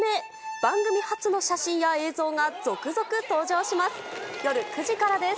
番組発の写真や映像が続々登場します。